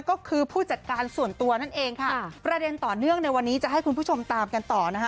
ก็คือผู้จัดการส่วนตัวนั่นเองค่ะประเด็นต่อเนื่องในวันนี้จะให้คุณผู้ชมตามกันต่อนะคะ